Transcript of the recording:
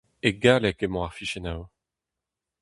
E galleg emañ ar fichennoù.